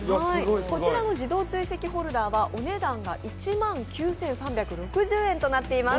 こちらの自動追跡ホルダーはお値段が１万９３６０円となっています。